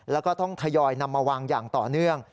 แล้วก็ต้องทยอยนำมาวางอย่างต่อเนื่อง